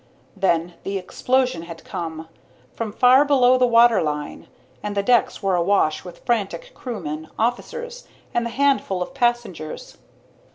Then the explosion had come, from far below the waterline, and the decks were awash with frantic crewmen, officers, and the handful of passengers.